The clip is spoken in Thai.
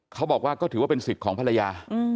เขาบอกว่าก็ถือว่าเป็นสิทธิ์ของภรรยา